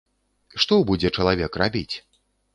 Што будзе чалавек рабіць?